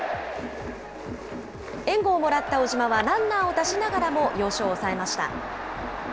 援護をもらった小島は、ランナーを出しながらも要所を抑えました。